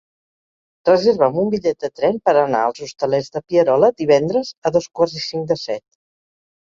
Reserva'm un bitllet de tren per anar als Hostalets de Pierola divendres a dos quarts i cinc de set.